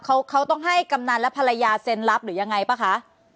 เขาเขาต้องให้กำนันและภรรยาเซ็นรับหรือยังไงป่ะคะ